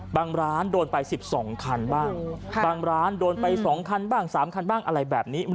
ร้านโดนไป๑๒คันบ้างบางร้านโดนไป๒คันบ้าง๓คันบ้างอะไรแบบนี้